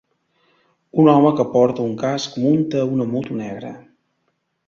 Un home que porta un casc munta una moto negra.